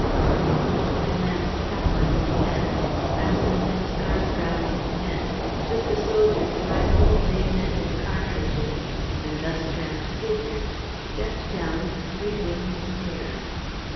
Then he put the dead man's cap on his head, fastened his scarf round his neck, took the soldier's rifle, bayonet and cartridges and, thus transfigured, stepped down the three wooden stairs.